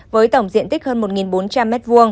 với tổng diện tích hơn một bốn trăm linh m hai